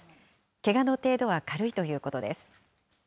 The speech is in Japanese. けがの程度は軽いということです。